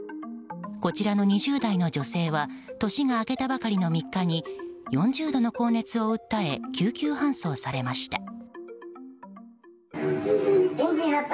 こちらの２０代の女性は年が明けたばかりの３日に４０度の高熱を訴え救急搬送されました。